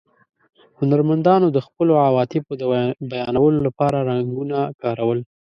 هنرمندانو د خپلو عواطفو د بیانولو له پاره رنګونه کارول.